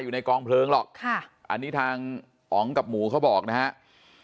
อยู่ในกองเพลิงหรอกอันนี้ทางอ๋องกับหมูเขาบอกนะครับ